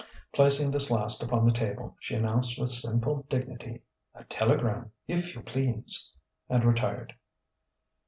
Placing this last upon the table, she announced with simple dignity, "A telegram, if you please," and retired.